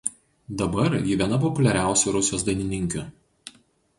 Dabar ji viena populiariausių Rusijos dainininkių.